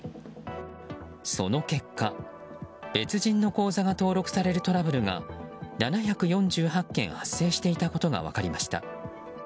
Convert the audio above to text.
その結果、別人の口座が登録されるトラブルが７４８件発生していたことが分かりました。